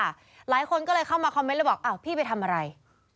หลายคนก็เลยเข้ามาคอมเมนต์แล้วบอกอ้าวพี่ไปทำอะไร